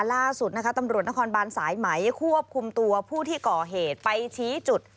ล่าสุดนะคะตำรวจนครบานสายไหมควบคุมตัวผู้ที่ก่อเหตุไปชี้จุด